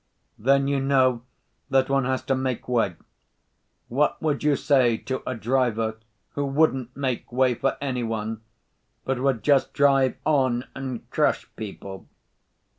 "Then you know that one has to make way. What would you say to a driver who wouldn't make way for any one, but would just drive on and crush people?